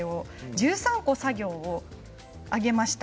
１３個、作業を挙げました。